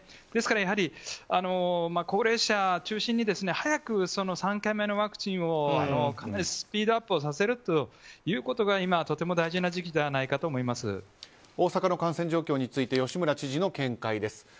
ですから、高齢者中心に早く３回目のワクチンをスピードアップさせるということが今、とても大事な時期では大阪の感染状況について吉村知事の見解です。